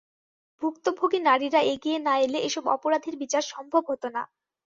ভুক্তভোগী নারীরা এগিয়ে না এলে এসব অপরাধীর বিচার সম্ভব হতো না।